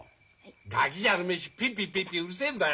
ガキじゃあるめえしピーピーピーピーうるせえんだよ。